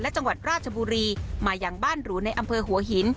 จังหวัดราชบุรีมาอย่างบ้านหรูในอำเภอหัวหิน